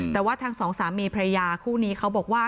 แต่ว่าทั้งสองสามีพระยาคู่นี้เขาบอกว่า